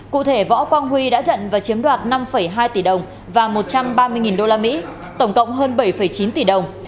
cụ thể võ quang huy đã nhận và chiếm đoạt năm hai tỷ đồng và một trăm ba mươi usd tổng cộng hơn bảy chín tỷ đồng